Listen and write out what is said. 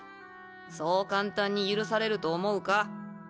そう簡単に許されると思うか？